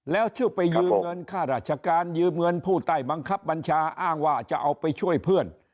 แล้วชื่อไปยืมเงินค่าราชการยืมเงินผู้ใต้บังคับบัญชาอ้างว่าจะเอาไปช่วยเพื่อน